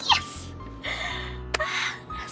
kasain lah reva